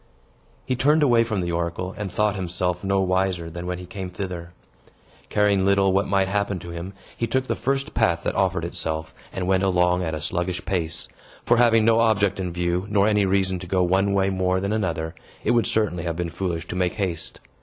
He turned away from the oracle, and thought himself no wiser than when he came thither. Caring little what might happen to him, he took the first path that offered itself, and went along at a sluggish pace; for, having no object in view, nor any reason to go one way more than another, it would certainly have been foolish to make haste.